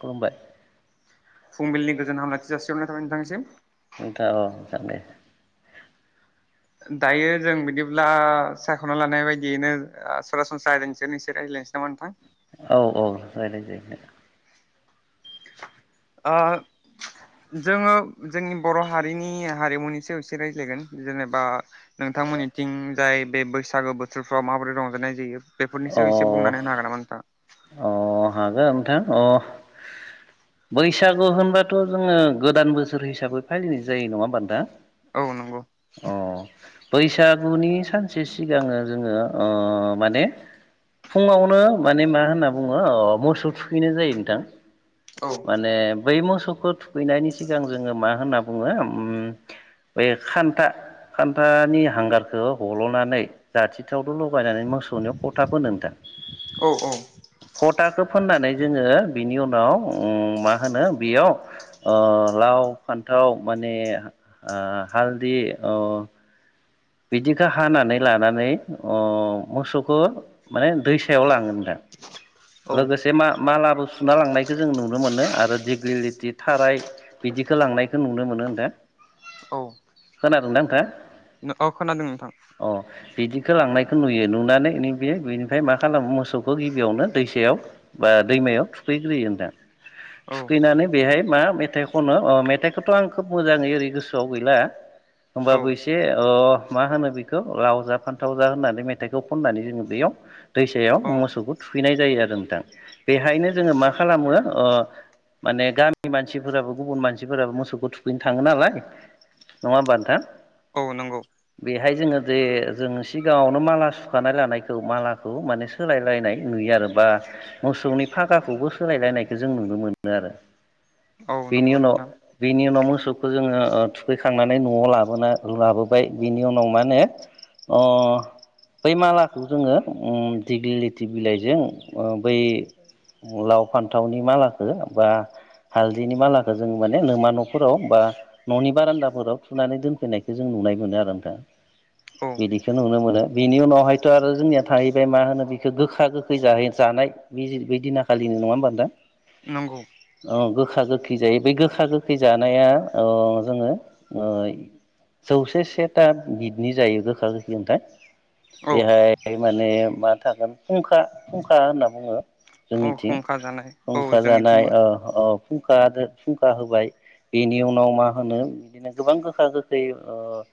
खुलुमबाय। फुंबिलिनि गोजोन हामलायथि जासिहरनाय थाबाय नोंथांसिम। नोंथां औ नोंथां दे। दायो जों बिदिब्ला सायख'ना लानाय बायदियैनो सरासनस्रा आइदानि सायावनो राय्लायनोसै नामा नोंथां। औ औ जायो। जोङो जोंनि बर' हारिनि हारिमुनि सायाव एसे रायज्लायगोन जेनेबा नोंथांमोननिथिं जाय बे बैसागो बोथोरफ्राव माबोरै रंजानाय जायो। अ बेफोरनिसो एसे बुंनानै होनो हागोन नामा नोंथां। अ हागोन नोंथां अ बैसागु होनबाथ' जोङो गोदान बोसोर हिसाबै फालिनाय जायो नङा होमबा नोंथां। औ नंगौ। अ बैसागुनि सानसे सिगाङो जोङो माने फुङावनो माने मा होनना बुङो। मोसौ थुखैनाय जायो नोंथां। औ माने बै मोसौखौ थुखैनायनि सिगां जोङो मा होनना बुङो बे खान्था खान्थानि हांगारखौ हल'नानै जाथि थावथ' लगायनानै मोसौनियाव फोथा फुननो नोंथां। औ औ फथाखौ फोननानै जोङो बिनि उनाव उम मा होनो बेयाव लाव फान्थाव माने ओ हालदि ओ बिदिखौ हानानै लानानै ओ मोसौखौ माने दैसायाव लाङो नोंथां लोगोसे औ मा मा लाबो सुना लांनायखौ जों नुनो मोनो आरो दिग्लिलिथि थाराय बिदिखौ लांनायखौ नुनो मोनो नोंथां खोनादोंना नोंथां। नंगौ खोनादों नोंथां खौ लांनायखौ नुयो नुनानै बे बेनिफ्राय मा खालामो मोसौखौ गिबियावनो दैसायाव बा दैमायाव थुखैग्रोयो नोंथां औ थुखैनानै बेहाय मा मेथाइ खनो मेथाइखौथ' आं खोब मोजाङै ओरै गोसोआव गैला औ होमबाबो एसे ओ मा होनो बेखौ लाव जा फान्थाव जा होननानै मेथाइखौ खननानै जोङो दैयाव दैसायाव औ मोसौखौ थुखैनाय जायो आरो नोंथां बेहायनो जोङो मा खालामो ओ माने गामिनि मानसिफोराबो गुबुन मानसिफोराबो मोसौखौ थुखैनो थाङो नालाय नङा होमबा नोंथां औ नंगौ बेहाय जोङो जे जों सिगाङावनो माला सुखानाय लानायखौ मालाखौ माने सोलायलायनाय नुयो आरो बा मोसौनि फागाखौबो सोलायलायनायखौ जों नुनो मोनो आरो औ बिनि नंगौ उनाव नोंथां बिनि उनाव मोसौखौ जोङो थुखैखांनानै न'आव लाबोना लाबो बिनि उनाव मा होनो ओ बै मालाखौ जोङो उम दिग्लि लिथि बिलाइजों बै लाव फान्थावनि मालाखो बा हालदैनि मालाखो जों माने नमा न'फोराव बा न'नि बारान्दाफोराव थुनानै दोनफैनायखौ जों नुनाय मोनो आरो नोंथां औ बिदिखौ नुनो मोनो बिनि उनावहायथ' आरो जोंनिया थाहैबाय मा होनो बिखो गोखा गोखै जाहै जानाय बै दिन खालिनि नङा होमबा नंगौ नोंथां गोखा गोखै जायो बे गोखा गोखै जानाया जोङो ओ जौसे से ता बिदनि जायो गोखा गोखै नोंथां औ बेहाय माने मा थागोन फुंखा फुंखा होनना बुङो। अ जोंनिथिं खुंखा जानाय औ फुंखा जानाय जोंनिथिंबो ओ फुंखा फुंखा होबाय बेनि उनाव मा होनो बिदिनो गोबां गोखा गोखै ओ ओ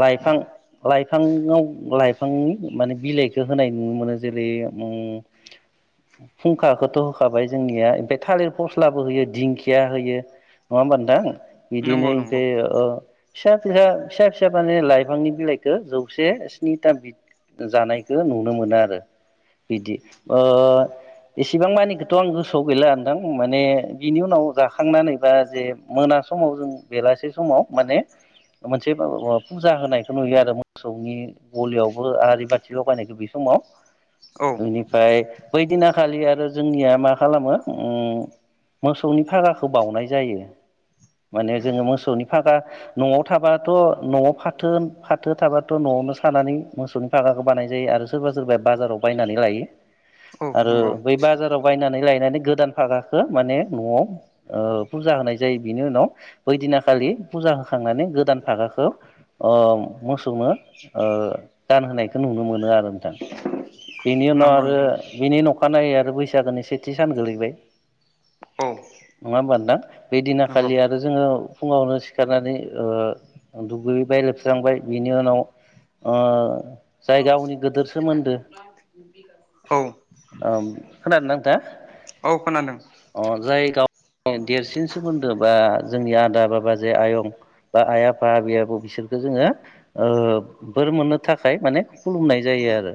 लाइफां लाइफाङाव लाइफांनि माने बिलाइखौ होनाय नुनो मोनो जेरै फुंखाखौथ' होखाबाय जोंनिया ओमफ्राय थालिर फस्लाबो होयो दिंखिया होयो नङा होमबा नोंथां बिदिनो नंगौ नंगौ ओमफ्राय फिसा फिसा फिसा फिसा माने लाइफांनि बिलाइखौ जौसे स्निथा बिद जानायखौ नुनो मोनो आरो बिदि ओ एसेबां मानिखौथ' आं गोसोआव गैला नोंथां माने बिनि उनाव जाखांनानै बा जे मोना समाव जों बेलासे समाव माने मोनसे फुजा होनायखौ नुयो आरो मोसौनि गलियावबो आरारि बाथि लगायनायखौ बि समाव औ बेनिफ्राय बैदिनाखालि आरो जोंनिया मा खालामो मोसौनि फागाखौ बावनाय जायो माने जोङो मोसौनि फागा न'आव थाबाथ' न'आव फाथो फाथो थाबाथ' न'आवनो सानानै मोसौनि फागाखौ बानाय जायो आरो सोरबा सोरबाया बाजाराव बायनानै लायो औ आरो नंगौ बै बाजाराव बायनानै लायनानै गोदान फागाखो माने न'आव ओ फुजा होनाय जायो बिनि उनाव बैदिनाखालि फुजा होखांनानै गोदान फागाखौ अ मोसौनो ओ गानहोनायखौ नुनो मोनो आरो नोंथां बेनि उनाव नंगौ आरो नोंथां बिनि न'ख अखानायै आरो बैसागोनि सेथि सान गोलैबाय औ नङा होमबा नोथां बे दिना नंगौ खालि आरो जोङो फुङावनो सिखारनानै ओ दुगैयैबाय लोबस्रांबाय बिनि उनाव ओ जाय गावनि गिदेर सोमोन्दो औ खोनादोना नोंथांङा औ खोनादों देरसिन सोमोन्दो बा जोंनि आदा बा बाजै आयं बा आइ आफा आबै आबौ बिसोरखौ जोङो ओ बोर मोननो थाखाय माने खुलुमनाय जायो आरो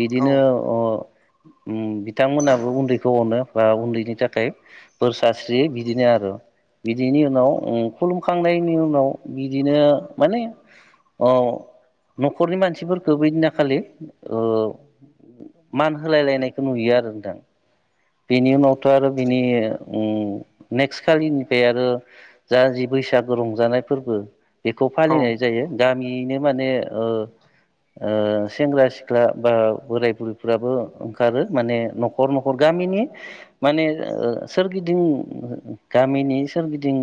औ अ बिथांमोनाबो उन्दैखौ अनो बा उन्दैनि थाखाय बोर सास्रियो बिदिनो आरो बिदिनि उनाव खुलुमखांनायनि उनाव बिदिनो माने अ न'खरनि मानसिफोरखौ बिदिना खालि ओ मान होलाय लायनायखौ नुयो आरो नोंथां बिनि उनावथ' आरो बिनि उम नेक्स खालिनिफ्राय आरो जा जि बैसागो रंजानाय फोरबो बेखौ औ फालिनाय जायो। गामियैनो माने ओ ओ सेंग्रा सिख्ला बा बोराय बुरैफ्राबो ओंखारो माने न'खर न'खर गामिनि माने ओ सोरगिदिं गामिनि सोरगिदिं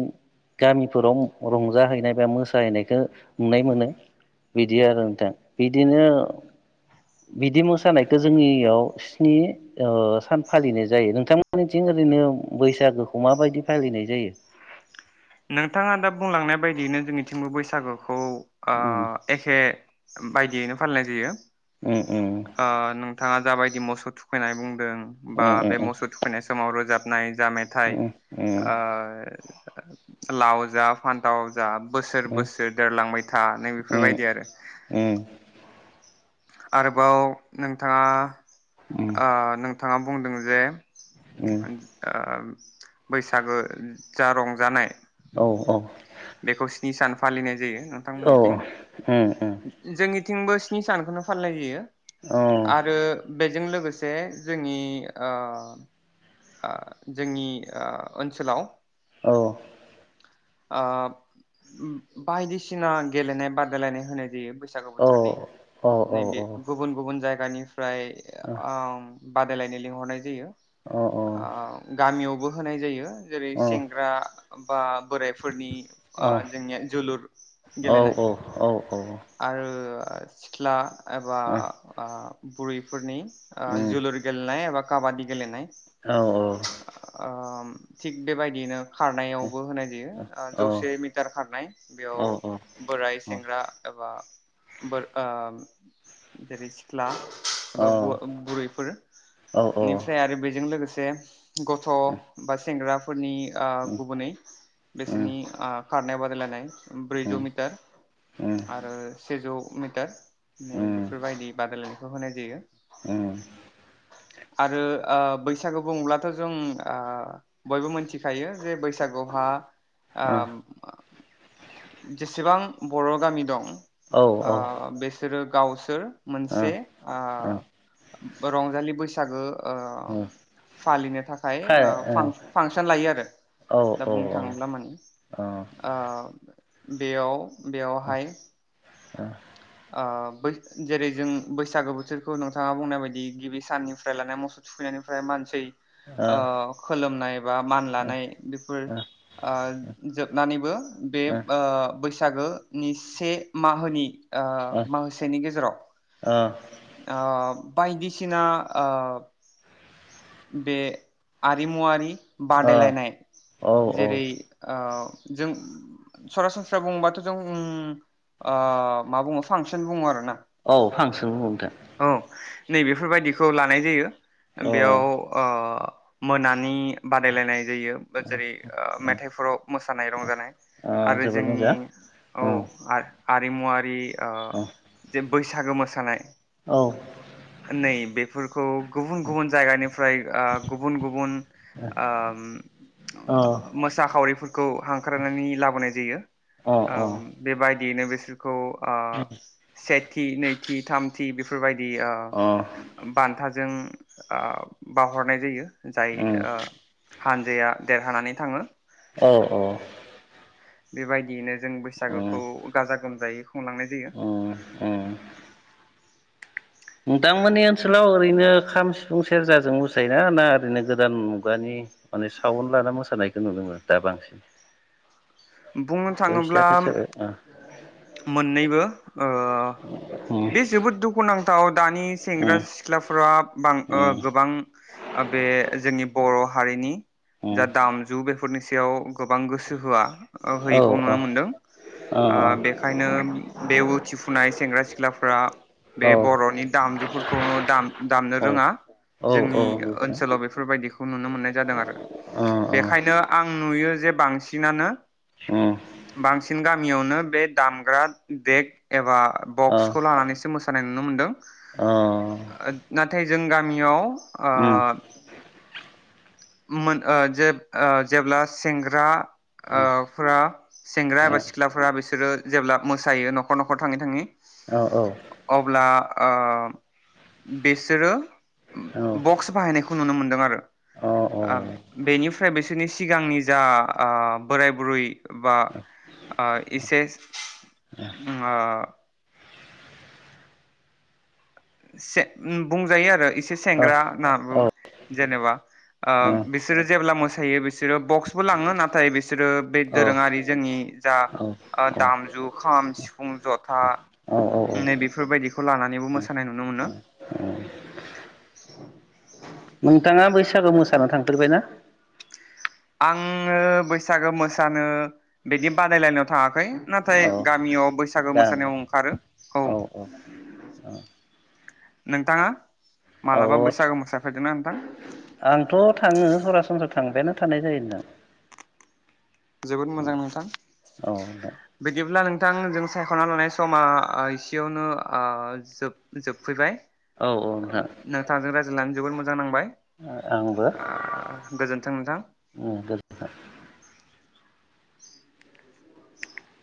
गामिफोराव रंजाहैनाय बा मोसाहैनायखो नुनाय मोनो बिदि आरो नोंथां बिदिनो बिदि मोसानायखौ जोंनियाव स्नि ओ सान फालिनाय जायो नोंथांमोननिथिं ओरैनो बैसागोखौ माबायदि फालिनाय जायो? नोंथाङा दा बुंलांनाय बायदियैनो जोंनिथिंबो बैसागुखौ आ उम एखे बायदियैनो फालिनाय जायो। उम ओ नोंथाङा जाबायदि मोसौ थुखैनाय बुं दों उम बा उम बे मोसौ थुखैनाय समाव रोजाब नाय जा मेथाइ उम उम ओ लाव जा फान्थाव जा बोसोर उम बोसोर देरलांबाय था नै बेफोरबायदि आरो उम आरोबाव नोंथाङा उम उम आ नोंथाङा बुंदों जे उम आ बैसागो जा रंजानाय औ बेखौ स्नि सान फालिनाय जायो औ नोंथांनि उम उम जोंनि थिंबो स्नि सानखौनो फालिनाय जायो। औ आरो बे बेजों लोगोसे जोंनि आ आ जोंनि आ ओनसोलाव औ आ बायदिसिना गेलेनाय बादायलायनाय होनाय जायो। बैसागु औ बोथोरनि औ औ नैबे अ गुबुन गुबुन जा जायगानि फ्राय उम बादायलायनाय लिंहरनाय जायो। अ आ गामियाव बो होनाय जायो। जेरै अ सेंग्रा बा बोराइफोरनि आ जोंनिया जोलुर औ ओ गेलेनाय उम आरो आरो सिख्ला एबा आ बुरैफोरनि आ जुलुर गेलनाय एबा काबादि गेलेनाय औ औ आ थिग बेबायदियैनो खारनायावबो होनाय जायो आ अ जौसे मिटार खारनाय बेयाव बोराय सेंग्रा एबा बो ओ जेरै सिख्ला माबा बु-बुरैफोर औ बेनिफ्राय आरो बेजों लोगोसे दे गथ' औ बा सेंग्रा फोरनि आ उम गुबुनै उम बिसोरनि आ खारनाय बादायलायनाय ब्रैजौ मिटार उम आरो सेजौ टार नै उम बेफोरबायदि बादायलायनाय खौ होनाय जायो। उम आरो ओ बैसागु बुङोब्लाथ' जों ओ बयबो मोनथिखायो जे बैसागुआवहा ओम जेसेबां बर' गामि दं औ औ सोरो गावसोर मोनसे आ उम रंजालि बैसागो ओ उम फालिनो थाखाय फाय ओ फां उम फांसन लायो आरो औ दा औ बुंनो औ थाङोब्ला माने ओ बेयाव बेयावहाय ओ बैस जेरै जों बैसागो बोथोरखौ नोंथाङा बुंनाय बायदि गिबि साननिफ्राय लानाय मोसौ थुखैनायनिफ्राय मानसि ओ खोलोमनाय एबा मान लानाय बेफोर ओ जोबनानैबो बे ओ बै सागो नि से माहोनि ओ माहोसेनि गेजेराव अ । अ बायदिसिना ओ बे आरिमुवारि । बादायलायनाय ओ जेरै ओ जों सरासनस्रा बुङोबाथ' जों ओ मा बुङो फांसन बुङो आरो ना । औ फांसन बुङो नोंथां । नैबेफोरबायदिखौ लानाय जायो । औ बेयाव ओ मोनानि बादायलायनाय जायो बा जेरै ओ मेथाइफोराव मोसानाय रंजानाय अ आरो जोबोद जोंनि मोजां औ आर आरिमुवारि ओ औ । जे बैसागो मोसानाय । नै बेफोरखौ गुबुन गुबुन जायगानि फ्राय ओ गुबुन गुबुन आम अ मोसाखावरिफोरखौ हांख्रायनानै लाबोनाय जायो अ अ आम उम बेबाय बेनो बेसो खौ आ सेथि नैथि थाम थि बेफोरबाय दि ओ औ औ बान्था जों आ बावहरनाय जायो । जाय ओ हानजाया देरहानानै थाङो । औ औ। बेबायदियैनो जों बैसागोखौ गाजा गोमजायै खुंलांनाय जायो उम । नोतांमोननि ओनसोलाव ओरैनो खाम सिफुं सेरजाजों मोसायोना ना ओरैनो गोदान मुगानि माने साउन लाना मोसानायखौ नुनो मोनो दा बांसिन? बुंनो थाङोब्ला बैसाखौ सोर मोननैबो ओ उम बे जोबोद दुखुुनां [unintelligible] दानि सेंग्रा उम सिख्लाफोरा बां गोबां बे जोंनि बर हारिनि जा उम उम दामजु बेफो फोरनि सायाव गोबां गोसो होआ ओ औ होयैखौ नुनो मोनदों औ आ बे खायनो बे उथिफुनाय सेंग्रा सिख्लाफोरा बे बरनि दामजुफोरखौनो दाम दामनो औ रोंङा जोंनि औ ओनसोलाव बेफोरबायदिखौ नुनो मोननाय जादों आरो बेखायनो आं नुयो जे बांसिनानो बांसिन गान मियावनो बे दामग्रा देग एबा बक्सखौ लानानैसो मोसानाय नुनो मोन्दों औ ओ नाथाय जों गामियाव ओ औ मोन ओ जे जेब्ला सेंग्रा ओ फोरा नोंथां अ उम अ सेंग्रा एबा सिख्लाफोरा बिसोर बिसोरो जेब्ला मोसायो नखर नखर थाङै थाङै औ औ अब्ला ओ बिसोरो उम बक्स बाहायनायखौ नुनो मोनदों दामदों आरो औ औ औ अ औ अ औ अ औ [unintelligible] ओ बेनिफ्राय बिसोरनि सिगांनि जा ओ बोराय बुरै बा ओ इसे ओ से बुंजायो आरो सासे सेंग्रा जेनेबा औ बिसोर जे थायो बे बिसोरो बक्सबो लांङो नाथाय बिसोरो बे दोरोंङारि जोंनि ओ जा दामजु खाम सिफुं जथा औ औ नै बेफोरबायदिखौ लानानैबो मोस मोसानाय नुनो मोनो [inaudible] नोंथाङा बैसागु मोसानानायाव थांफेरबायना आङो बैसागो मोसानो बिदि बादायलायनायाव थाङाखै नाथाय औ गामियाव बैसागो गामि मोसानायाव ओंखारो औ। नोंथाङा मालाबा औ बैसागो मोसाफेरदोंना? मा आंथ' थाङो सरासनस्रा थांबायानो थानाय जायोना? जोबोद मोजां नोंथां [inaudible] बिदिब्ला नों नोंथांजों सायख'ना लानाय समा एसेयावनो ओ जोब-जोबफैबाय। औ औ नोंथां। नानै जबो मोजां नांबाय, औ ओ गोजोनथों नोंथां। आंबो